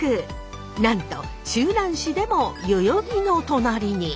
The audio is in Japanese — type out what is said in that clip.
なんと周南市でも代々木の隣に。